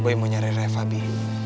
gue mau nyari refah bi